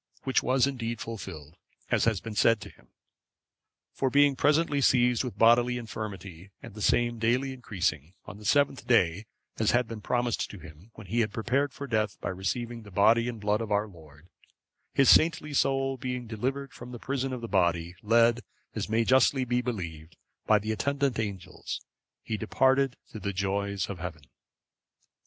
Which was indeed fulfilled, as had been said to him; for being presently seized with bodily infirmity, and the same daily increasing, on the seventh day, as had been promised to him, when he had prepared for death by receiving the Body and Blood of our Lord, his saintly soul being delivered from the prison of the body, led, as may justly be believed, by the attendant angels, he departed to the joys of Heaven.